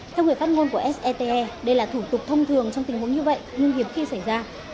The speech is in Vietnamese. theo người phát ngôn của sete đây là thủ tục thông thường trong tình huống như vậy nhưng hiếm khi xảy ra